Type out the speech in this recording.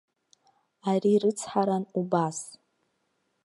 Ари рыцҳаран убас.